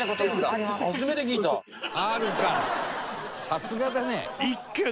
さすがだね。